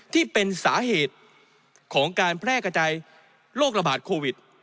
ที่เป็นสาเหตุของการแพร่กระจายโรคระบาดโควิด